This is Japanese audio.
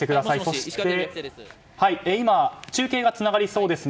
そして今中継がつながりそうです。